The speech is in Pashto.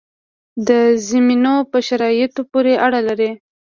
د زمینو په شرایطو پورې اړه لري.